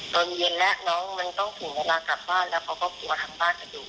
ตอนเย็นแล้วน้องมันต้องถึงเวลากลับบ้านแล้วเขาก็กลัวทางบ้านจะอยู่